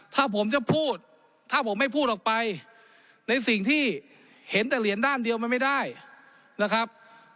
ถ้าผมจะพูดถ้าผมไม่พูดออกไปในสิ่งที่เห็นแต่เหรียญด้านเดียวมันไม่ได้นะครับ